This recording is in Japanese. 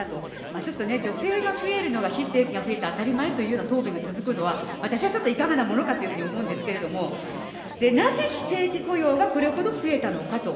ちょっとね、女性が増えるのは、非正規が増えて当たり前という答弁が続くのは、私はちょっといかがなものかというふうに思うんですけれども、なぜ非正規雇用がこれほど増えたのかと。